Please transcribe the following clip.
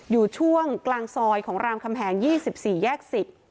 อยู่ช่วงกลางซอยของรามคำแหง๒๔แยก๑๐